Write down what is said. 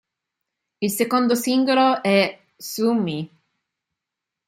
Il secondo singolo è Sue Me.